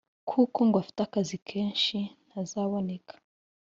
kuko ngo afite akazi kenshi ntazaboneka